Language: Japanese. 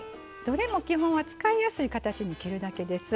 どれも基本は使いやすい形に切るだけです。